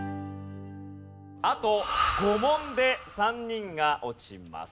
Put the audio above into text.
あと５問で３人が落ちます。